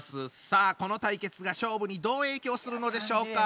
さあこの対決が勝負にどう影響するのでしょうか！